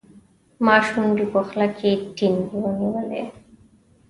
ما شونډې په خوله کې ټینګې ونیولې.